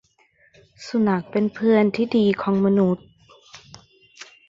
สุนัขเป็นเพื่อนที่ดีของมนุษย์